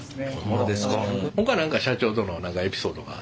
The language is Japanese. ほか何か社長との何かエピソードは？